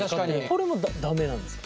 これも駄目なんですか？